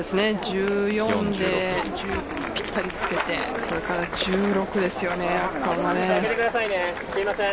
１４でぴったりつけてそれから１６ですよね。